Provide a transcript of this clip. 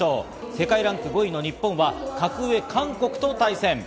世界ランキング５位の日本は格上、韓国と対戦。